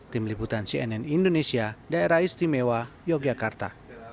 tim liputan cnn indonesia daerah istimewa yogyakarta